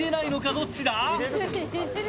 どっちだ？